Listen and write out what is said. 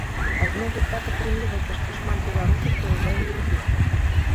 А з мовай так атрымліваецца, што шмат беларусаў прыязджаюць сюды.